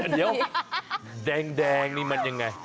เดี๋ยวแดงนี่มันยังไง